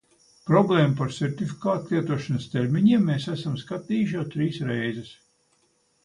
Problēmu par sertifikātu lietošanas termiņiem mēs esam skatījuši jau trīs reizes.